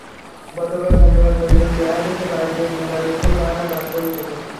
গতকাল শনিবার সরেজমিনে দেখা গেছে, বাঁশ দিয়ে মেলার স্টল বানানোর কাজ চলছে।